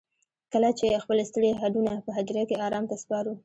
کله چې خپل ستړي هډونه په هديره کې ارام ته سپارو.